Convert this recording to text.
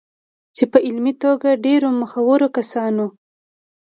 چې په علمي توګه ډېرو مخورو کسانو